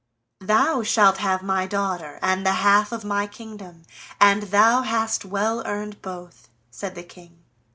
"Thou shalt have my daughter, and the half of my kingdom, and thou hast well earned both!" said the King.